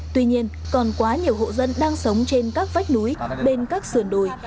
tuy nhiên còn quá nhiều hộ dân đang sống trên các vách núi bên các sườn đồi